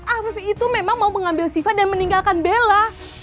afif itu memang mau mengambil sifat dan meninggalkan bella